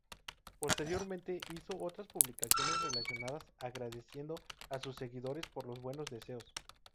Posteriormente hizo otras publicaciones relacionadas agradeciendo a sus seguidores por los buenos deseos.